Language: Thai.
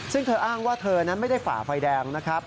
ซึ่งเธออ้างว่าเธอนั้นไม่ได้ฝ่าไฟแดงนะครับ